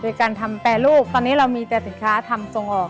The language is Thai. โดยการทำแปรรูปตอนนี้เรามีแต่สินค้าทำส่งออก